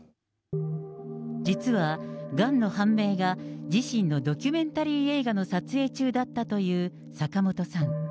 実はがんの判明が自身のドキュメンタリー映画の撮影中だったという坂本さん。